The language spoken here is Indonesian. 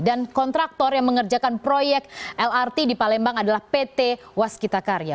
dan kontraktor yang mengerjakan proyek lrt di palembang adalah pt waskita karya